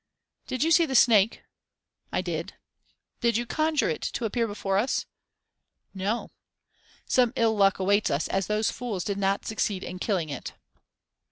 "Did you see the snake?" "I did." "Did you conjure it to appear before us?" "No." "Some ill luck awaits us as those fools did not succeed in killing it."